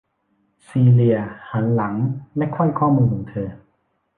ซีเลียหันหลังและไขว้ข้อมือของเธอ